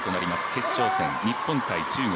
決勝戦、日本×中国。